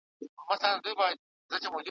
زه چي ماشوم وم په مالت کي به هرچا ویله `